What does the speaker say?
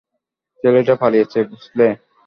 ছেলেটা পালিয়েছে, বুঝলে?